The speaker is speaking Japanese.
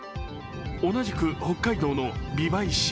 同じく北海道の美唄市。